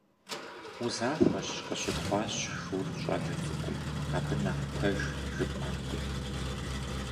Узахуэщ,- къыщытхъуащ шур щӏалэ цӏыкӏум. - Абы нэхъ пэж жыпӏэнкъым.